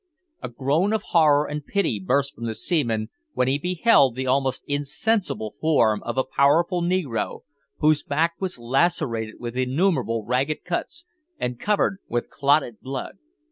A groan of horror and pity burst from the seaman when he beheld the almost insensible form of a powerful negro, whose back was lacerated with innumerable ragged cuts, and covered with clotted blood.